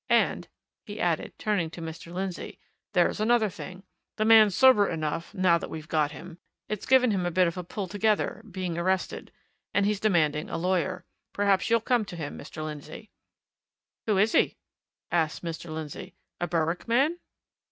"And," he added, turning to Mr. Lindsey, "there's another thing. The man's sober enough, now that we've got him it's given him a bit of a pull together, being arrested. And he's demanding a lawyer. Perhaps you'll come to him, Mr. Lindsey." "Who is he?" asked Mr. Lindsey. "A Berwick man?"